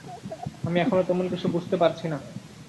আমি এখনো তেমন কিছু বুঝতে পারছি না।